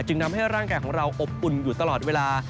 ทำให้ร่างกายของเราอบอุ่นอยู่ตลอดเวลา